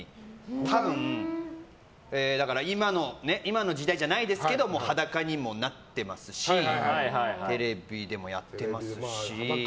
多分、今の時代じゃないですけど裸にもなってますしテレビでもやってますし。